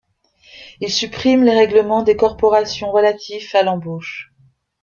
Il supprime les règlements des corporations relatif à l'embauche.